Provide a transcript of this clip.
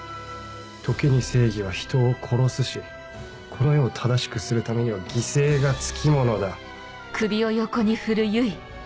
時に正義は人を殺すしこの世を正しくするためには犠牲がつきものだ。